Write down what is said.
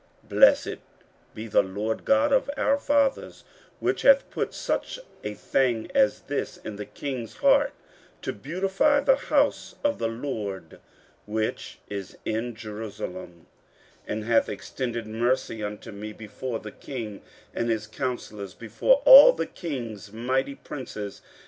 15:007:027 Blessed be the LORD God of our fathers, which hath put such a thing as this in the king's heart, to beautify the house of the LORD which is in Jerusalem: 15:007:028 And hath extended mercy unto me before the king, and his counsellors, and before all the king's mighty princes.